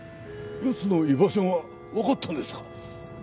やつの居場所が分かったんですか？